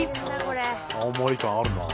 青森感あるな。